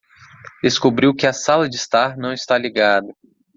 Descobriu que a sala de estar não está ligada